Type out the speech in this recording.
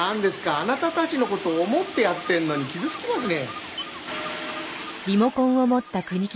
あなたたちの事を思ってやってるのに傷つきますね。